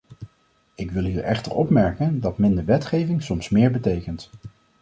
Ik wil hier echter opmerken dat minder wetgeving soms meer betekent.